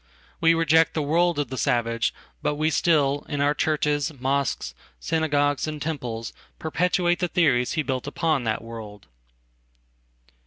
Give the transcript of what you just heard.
We reject the world of the savage; but we still, in ourchurches, mosques, synagogues and temples, perpetuate the theorieshe built upon that world.